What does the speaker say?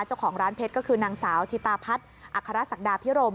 เจ้าของร้านเพชรก็คือนางสาวธิตาพัฒน์อัครศักดาพิรม